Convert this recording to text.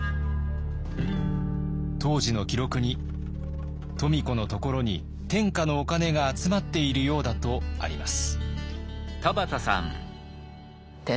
当時の記録に「富子のところに天下のお金が集まっているようだ」とあります。